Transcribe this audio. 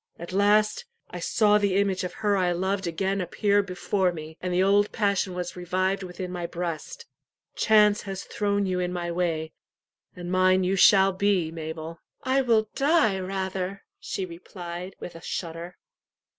At last, I saw the image of her I loved again appear before me, and the old passion was revived within my breast. Chance has thrown you in my way, and mine you shall be, Mabel." "I will die rather," she replied, with a shudder.